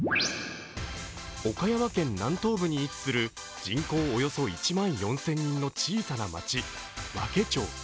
岡山県南東部に位置する人口およそ１万４０００人の小さな町、和気町。